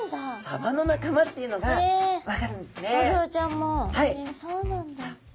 サバの仲間っていうのが分かるんですね。